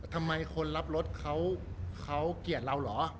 ทำไมคนรับรถเขาเกลียดเราเหรอ